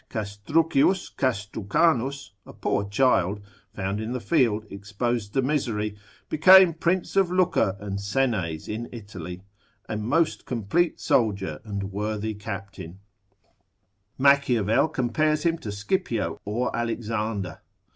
Castruccius Castrucanus, a poor child, found in the field, exposed to misery, became prince of Lucca and Senes in Italy, a most complete soldier and worthy captain; Machiavel compares him to Scipio or Alexander.